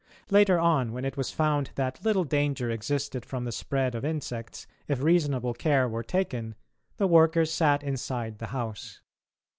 Later on, when it was found that little danger existed from the spread of insects if reasonable care were taken, the workers sat inside the house.